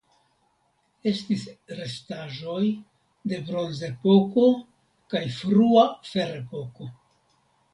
Estis restaĵoj de Bronzepoko kaj frua Ferepoko.